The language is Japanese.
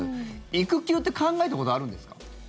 育休って考えたことあるんですか？